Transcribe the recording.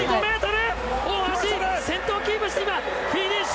大橋先頭をキープして今フィニッシュ。